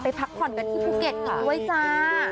พักผ่อนกันที่ภูเก็ตอีกด้วยจ้า